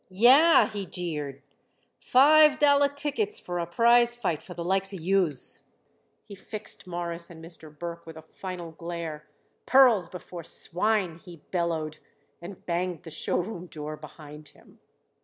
"Yah!" he jeered, "five dollar tickets for a prize fight for the likes of youse!" He fixed Morris and Mr. Burke with a final glare. "Pearls before swine!" he bellowed, and banged the show room door behind him.